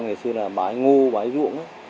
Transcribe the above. ngày xưa là bái ngu bái ruộng